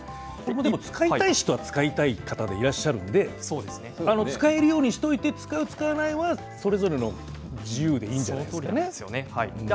使いたい方は使いたい方でいらっしゃいますので使えるようにしておいて使う、使わないは自由にすればいいんじゃないでしょうか。